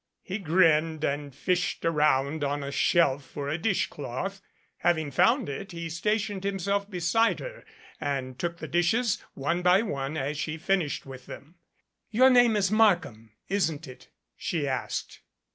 He grinned and fished around on a shelf for a dish cloth. Having found it he stationed himself beside her and took the dishes one by one as she finished with them. "Your name is Markham, isn't it?" she asked.